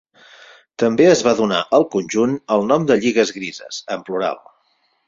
També es va donar al conjunt el nom de Lligues Grises, en plural.